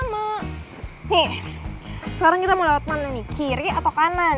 eh sekarang kita mau lewat mana nih kiri atau kanan